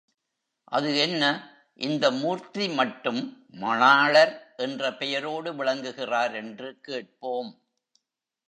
அது என்ன இந்த மூர்த்தி மட்டும் மணாளர் என்ற பெயரோடு விளங்குகிறார் என்று கேட்போம்.